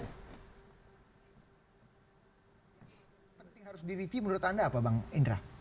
yang paling penting menurut anda apa bang indra